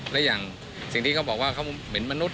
และอย่างสิ่งที่เขาบอกว่าเขาเป็นมนุษย